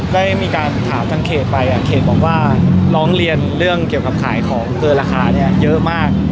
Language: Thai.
ได้มีการถามทางเขตไปเขตบอกว่าร้องเรียนเรื่องเกี่ยวกับขายของเกินราคาเนี่ยเยอะมาก